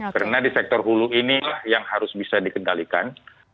karena di sektor hulu ini yang harus bisa dikendalikan